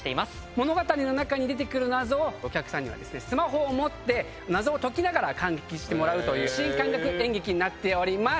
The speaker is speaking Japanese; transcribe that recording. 物語の中に出て来る謎をお客さんにはスマホを持って謎を解きながら観劇してもらう新感覚演劇になっております。